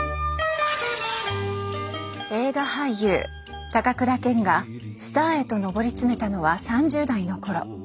映画俳優高倉健がスターへと上り詰めたのは３０代の頃。